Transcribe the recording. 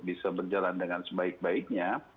bisa berjalan dengan sebaik baiknya